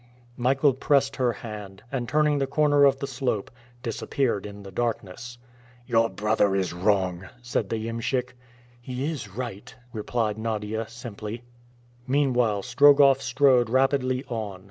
Michael pressed her hand, and, turning the corner of the slope, disappeared in the darkness. "Your brother is wrong," said the iemschik. "He is right," replied Nadia simply. Meanwhile Strogoff strode rapidly on.